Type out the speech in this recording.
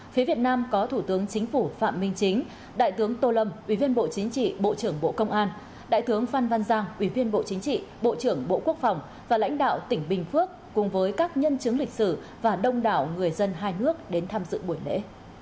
phía việt nam có thủ tướng chính phủ phạm minh chính đại tướng tô lâm ủy viên bộ chính trị bộ trưởng bộ công an đại tướng phan văn giang ủy viên bộ chính trị bộ trưởng bộ quốc phòng và lãnh đạo tỉnh bình phước cùng với các nhân chứng lịch sử và đông đảo người dân hai nước đến tham dự buổi lễ